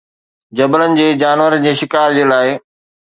جبلن جي جانورن جي شڪار لاءِ